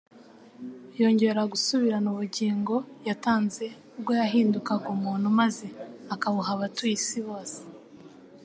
Yongera gusubirana ubugingo yatanze ubwo yahindukaga umuntu maze akabuha abatuye isi bose.